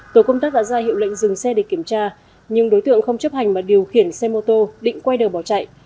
tổ công tác đã ra hiệu lệnh dừng xe để kiểm tra nhưng đối tượng không chấp hành mà điều khiển xe mô tô định quay đường bỏ chạy